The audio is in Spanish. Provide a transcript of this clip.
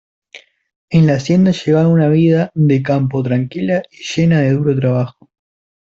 En la hacienda llevaban una vida de campo tranquila y llena de duro trabajo.